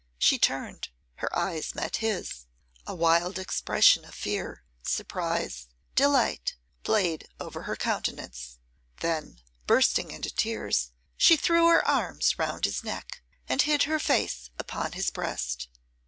She turned, her eyes met his, a wild expression of fear, surprise, delight, played over hen countenance; then, bursting into tears, she threw her arms round his neck, and hid her face upon his breast.